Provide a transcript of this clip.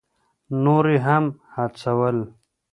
نور یې هم هڅول.